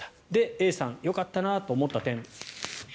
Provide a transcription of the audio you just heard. Ａさん、よかったなと思った点